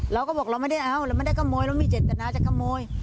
เราก็บอกเราไม่ได้เอาเราไม่ได้ขโมยเรามีเจตนาจะขโมย